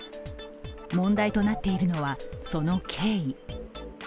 問題となっているのはその経緯。